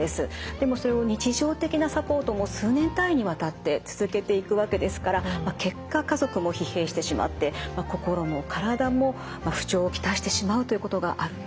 でもそれを日常的なサポートも数年単位にわたって続けていくわけですから結果家族も疲弊してしまって心も体も不調を来してしまうということがあるようです。